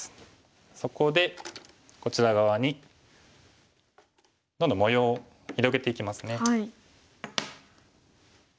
そこでこちら側にどんどん模様を広げていきますね。